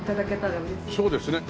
そうですね